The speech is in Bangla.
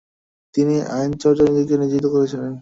তিনি আইন চর্চায় নিজেকে নিয়োজিত করেছিলেন ।